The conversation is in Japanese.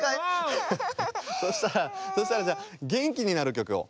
そしたらそしたらじゃげんきになるきょくを。